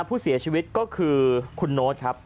ผู้เสียชีวิตก็คือคุณโน๊ตครับ